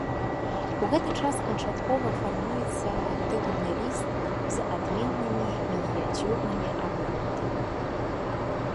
У гэты час канчаткова фармуецца тытульны ліст з адменнымі мініяцюрнымі арнаментамі.